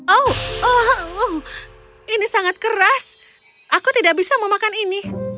oh ini sangat keras aku tidak bisa memakan ini